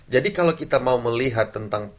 jadi kalau kita mau melihat tentang